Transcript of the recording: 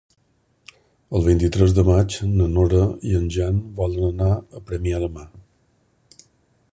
El vint-i-tres de maig na Nora i en Jan volen anar a Premià de Mar.